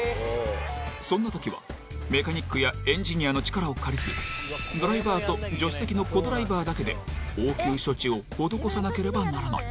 そんな時はメカニックやエンジニアの力を借りずドライバーと助手席のコ・ドライバーだけで応急処置を施さなければならない。